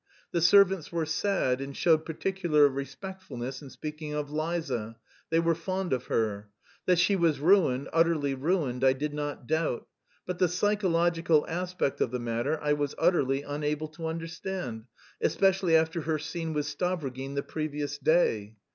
The servants were sad, and showed particular respectfulness in speaking of Liza; they were fond of her. That she was ruined, utterly ruined, I did not doubt; but the psychological aspect of the matter I was utterly unable to understand, especially after her scene with Stavrogin the previous day.